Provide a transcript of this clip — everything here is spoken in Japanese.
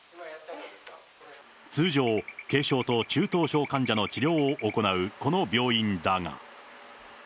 通常、軽症と中等症患者の治療を行うこの病院だが。